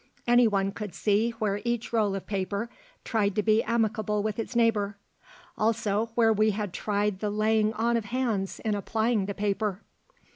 Any one could see where each roll of paper tried to be amicable with its neighbor also where we had tried the laying on of hands in applying the paper.